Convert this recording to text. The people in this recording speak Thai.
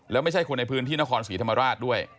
แล้วไม่ใช่คนในพื้นที่นครศรีธรรมราชด้วย